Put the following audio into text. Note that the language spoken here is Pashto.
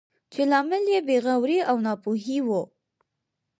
چې لامل یې بې غوري او ناپوهي وه.